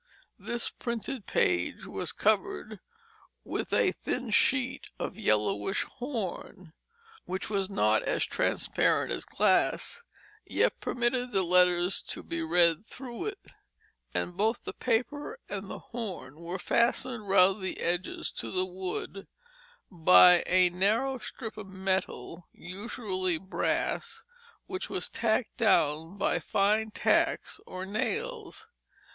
This printed page was covered with a thin sheet of yellowish horn, which was not as transparent as glass, yet permitted the letters to be read through it; and both the paper and the horn were fastened around the edges to the wood by a narrow strip of metal, usually brass, which was tacked down by fine tacks or nails.